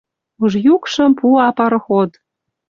Уж юкшым пуа пароход